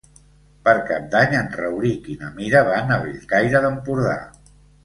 Per Cap d'Any en Rauric i na Mira van a Bellcaire d'Empordà.